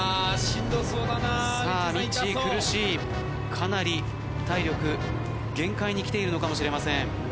かなり体力限界にきているのかもしれません。